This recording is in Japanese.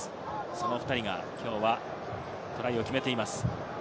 その２人がきょうはトライを決めています。